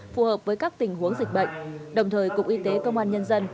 phù hợp với các tình huống dịch bệnh đồng thời cục y tế công an nhân dân